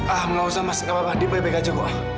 ah gak usah mas gak apa apa dia baik baik aja kok